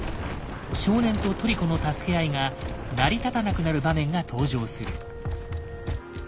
少年とトリコの助け合いが成り立たなくなる場面が登場する。